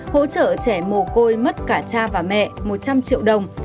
hỗ trợ trẻ mồ côi mất cả cha và mẹ một trăm linh triệu đồng